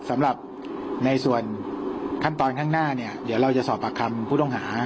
สำหรับในส่วนขั้นตอนข้างหน้าเนี่ยเดี๋ยวเราจะสอบปากคำผู้ต้องหา